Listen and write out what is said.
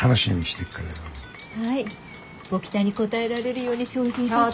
はいご期待に応えられるように精進いたします。